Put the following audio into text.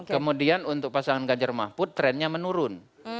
kemudian untuk pasangan ganjar mahput trennya menurun